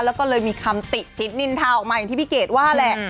แล้วก็เลยมีคำติชิดนินทาออกมาอย่างที่พี่เกดว่าแหละ